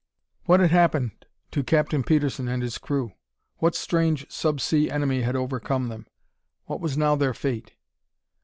What had happened to Captain Petersen and his crew? What strange sub sea enemy had overcome them? What was now their fate?